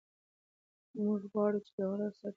موږ غواړو چې د غره سر ته وخېژو.